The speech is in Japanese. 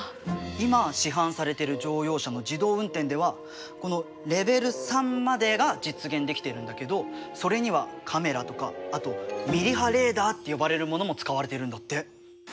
今市販されている乗用車の自動運転ではこのレベル３までが実現できているんだけどそれにはカメラとかあとミリ波レーダーって呼ばれるものも使われてるんだって。